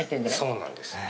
そうなんです。